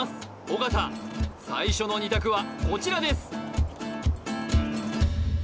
尾形最初の２択はこちらです